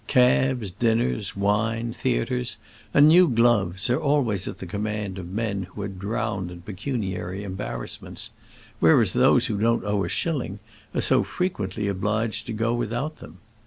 Cabs, dinners, wine, theatres, and new gloves are always at the command of men who are drowned in pecuniary embarrassments, whereas those who don't owe a shilling are so frequently obliged to go without them!